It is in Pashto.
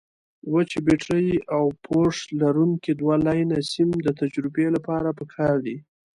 وچې بټرۍ او پوښ لرونکي دوه لینه سیم د تجربې لپاره پکار دي.